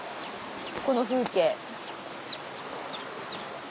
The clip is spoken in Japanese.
この風景。